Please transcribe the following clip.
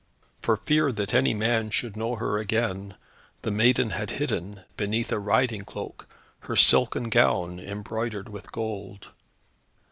For fear that any man should know her again, the maiden had hidden, beneath a riding cloak, her silken gown, embroidered with gold.